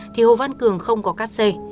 thì hồ văn cường không có cát xe